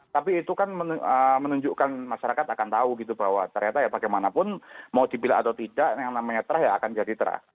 tapi itu kan menunjukkan masyarakat akan tahu gitu bahwa ternyata ya bagaimanapun mau dipilih atau tidak yang namanya terah ya akan jadi terah